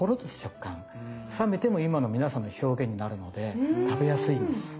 冷めても今の皆さんの表現になるので食べやすいんです。